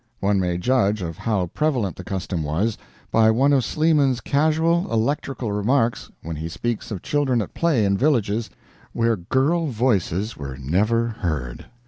One may judge of how prevalent the custom was, by one of Sleeman's casual electrical remarks, when he speaks of children at play in villages where girl voices were never heard!